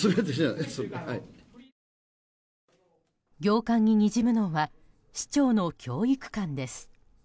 行間ににじむのは市長の教育観です。